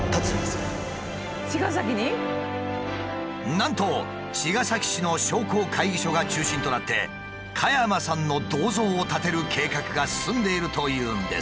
なんと茅ヶ崎市の商工会議所が中心となって加山さんの銅像を建てる計画が進んでいるというんです。